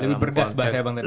lebih bergas bahasa ya bang tadi